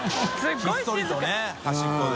ひっそりとね端っこで。